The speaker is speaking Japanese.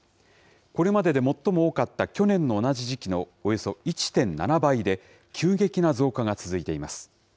これまでで最も多かった去年の同じ時期のおよそ１．７倍で、急激な増加が続いています。